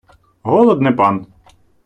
Голод не пан.